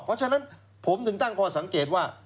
เพราะฉะนั้นผมถึงตั้งข้อสังเกตว่า